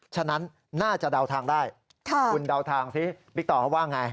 ฉะนั้นน่าจะเดาทางได้คุณเดาทางซิบิ๊กต่อเขาว่าไง